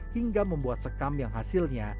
hingga membuat sekam yang hasilnya